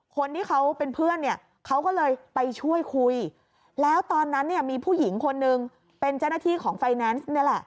คนที่เขาเป็นเพื่อนเนี่ยเขาก็เลยไปช่วยคุยแล้วตอนนั้นเนี่ยมีผู้หญิงคนนึงเป็นเจ้าหน้าที่ของไฟแนนซ์นี่แหละ